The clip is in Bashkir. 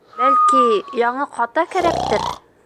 Бәлки, яңы ҡата кәрәктер?